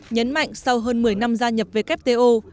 nhấn mạnh sau hơn một mươi năm gia nhập wto